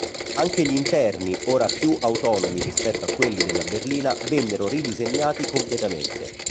Anche gli interni, ora più autonomi rispetto a quelli della berlina, vennero ridisegnati completamente.